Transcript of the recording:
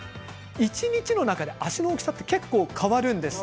一日の中で足の大きさは結構変わるんです。